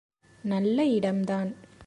நல்ல இடம் தான்.